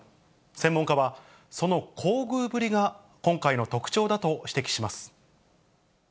専門家は、その厚遇ぶりが今回の特徴だと指摘します。